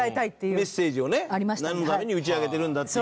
メッセージをねなんのために打ち上げてるんだっていう。